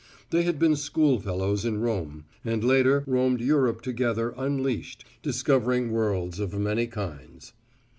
They had been school fellows in Rome, and later roamed Europe together unleashed, discovering worlds of many kinds.